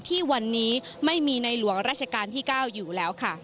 ที่วันนี้ไม่มีในหลวงราชการที่๙อยู่แล้วค่ะ